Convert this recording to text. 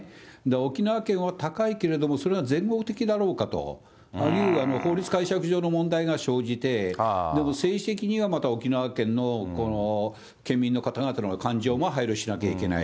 沖縄県は高いけれども、それが全国的だろうかと、法律解釈上の問題が生じて、でも政治的には沖縄県の県民の方々の感情も配慮しなきゃいけない。